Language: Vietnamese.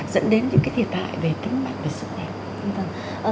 dẫn đến những cái thiệt hại về tính mạng và sự đẹp